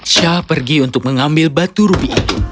shah pergi untuk mengambil batu rubi itu